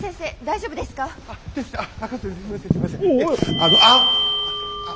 あのあっ。